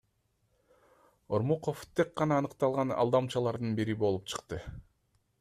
Ормуков тек гана аныкталган алдамчылардын бири болуп чыкты.